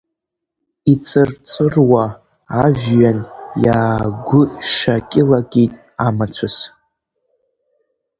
Иҵырҵыруа ажәҩан иаагәьшакьы-лакьит амацәыс.